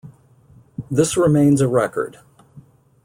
This remains a record.